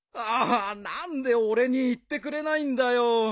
ああ何で俺に言ってくれないんだよ。